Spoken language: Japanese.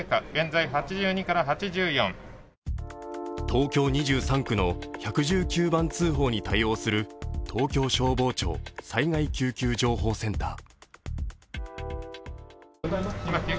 東京２３区の１１９番通報に対応する東京消防庁災害救急情報センター。